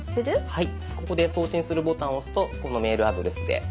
はい。